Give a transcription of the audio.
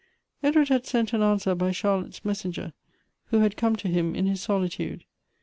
Edward had sent an answer by Chorlotte's messenger, v> '.io had come to him in his solitude.